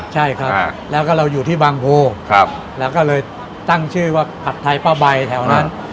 ใช่ครับแล้วก็เราอยู่ที่บางโพแล้วก็เลยตั้งชื่อว่าผัดไทยป้าใบแถวนั้น